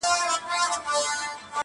له پلرونو له نيكونو موږك خان يم٫